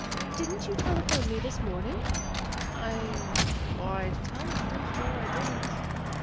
"Didn't you telephone me this morning?" "I why, to tell the truth, no I didn't."